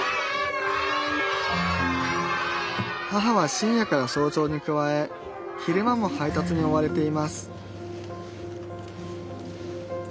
母は深夜から早朝に加え昼間も配達に追われています